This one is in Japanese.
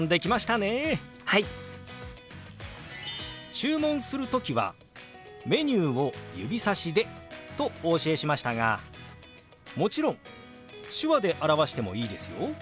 注文する時はメニューを指さしでとお教えしましたがもちろん手話で表してもいいですよ。